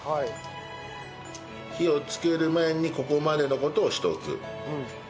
火をつける前にここまでの事をしておく。